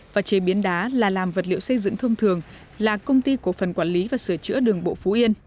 và chế biến đá là làm vật liệu xây dựng thông thường là công ty cổ phần quản lý và sửa chữa đường bộ phú yên